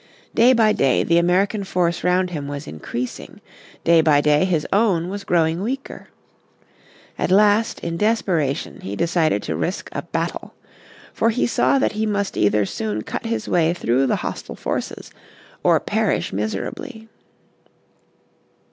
Day by day the American force round him was increasing. Day by day his own was growing weaker. At last in desperation he decided to risk a battle. For he saw that he must either soon cut his way through the hostile forces or perish miserable.